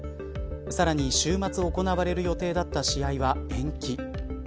さらに週末行われる予定だった試合は延期。